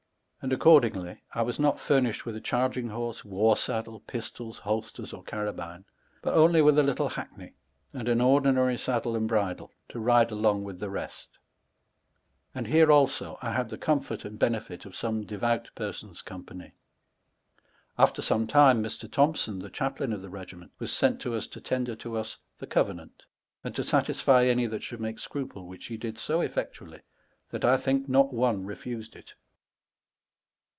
And a^icordingly I was not furnished with s charging horee, warre saddle, pistols, holsters, or carabine, but onely with a little hackney, and an ordinary saddle and bridle to ride along " with the refit ; and here also I had the comlbrt and benefit ot" some devout persons' company. After some time, Mr. Thompson, the diaplaine of the regiment, was sent to us, to tender to us the Cove nant,' and to satisfie any that should make scruple, which he did so effectually, that I think not one refuseil it.